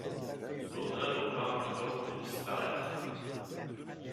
Son œuvre manque donc de disparaître.